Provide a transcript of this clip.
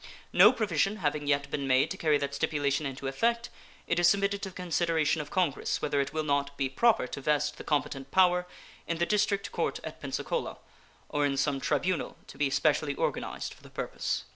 No provision having yet been made to carry that stipulation into effect, it is submitted to the consideration of Congress whether it will not be proper to vest the competent power in the district court at Pensacola, or in some tribunal to be specially organized for the purpose.